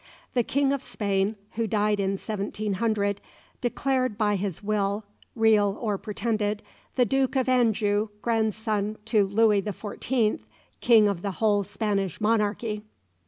The King of Spain, who died in 1700, declared by his will, real or pretended, the Duke of Anjou, grandson to Louis the Fourteenth, King of the whole Spanish monarchy.